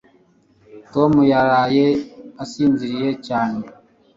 Toma yaraye asinziriye cyane